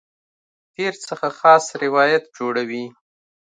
تېر څخه خاص روایت جوړوي.